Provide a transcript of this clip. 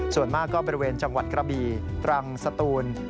ส่วนมากก็บริเวณจังหวัดกระบี่ตรังสตูน